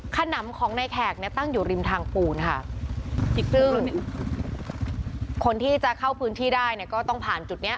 ขั้นนำของในแขกตั้งอยู่ริมทางปูนค่ะคนที่จะเข้าพื้นที่ได้ก็ต้องผ่านจุดนี้